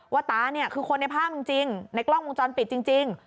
ตาเนี่ยคือคนในภาพจริงในกล้องวงจรปิดจริง